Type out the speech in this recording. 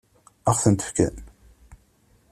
Ad ɣ-tent-fken?